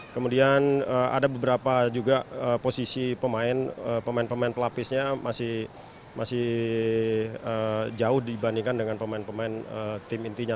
kemudian ada beberapa juga posisi pemain pemain pelapisnya masih jauh dibandingkan dengan pemain pemain tim intinya